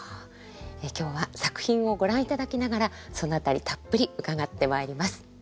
今日は作品をご覧いただきながらその辺りたっぷり伺ってまいります。